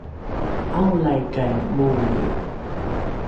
’aolaikai moni?